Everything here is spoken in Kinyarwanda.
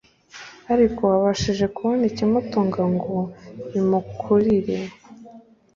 ariko abashije kubona ikimutunga ngo imikurire